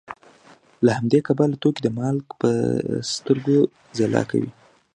له همدې کبله توکي د مالک په سترګو کې ځلا کوي